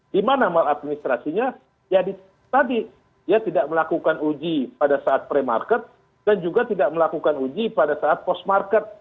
dimana maladministrasinya tadi ya tidak melakukan uji pada saat premarket dan juga tidak melakukan uji pada saat postmarket